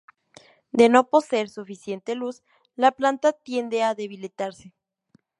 De no poseer suficiente luz, la planta tiende a debilitarse.